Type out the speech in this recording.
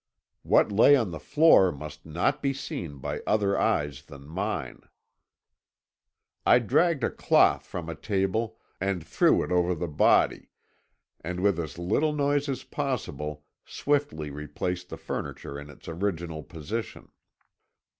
What lay on the floor must not be seen by other eyes than mine. "I dragged a cloth from a table and threw it over the body, and with as little noise as possible swiftly replaced the furniture in its original position.